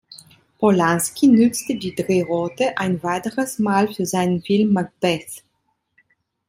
Polanski nützte die Drehorte ein weiteres Mal für seinen Film Macbeth.